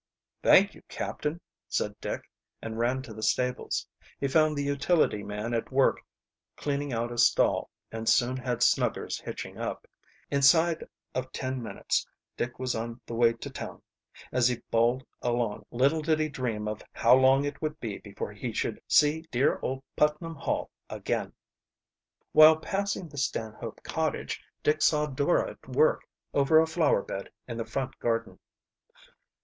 "Thank you, captain," said Dick, and ran to the stables. He found the utility man at work cleaning out a stall, and soon had Snuggers hitching up. Inside of ten minutes Dick was on the way to town. As he bowled along, little did he dream of how long it would be before he should see dear old Putnam Hall again. While passing the Stanhope cottage Dick saw Dora at work over a flower bed in the front garden.